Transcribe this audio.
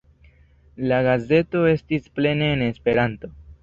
La gazeto estis plene en Esperanto.